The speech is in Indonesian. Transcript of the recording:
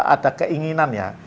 ada keinginan ya